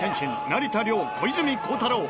成田凌小泉孝太郎